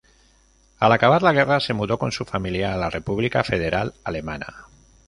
Al acabar la guerra se mudó con su familia a la República Federal Alemana.